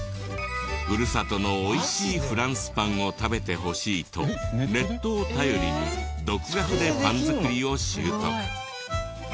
ふるさとのおいしいフランスパンを食べてほしいとネットを頼りに独学でパン作りを習得。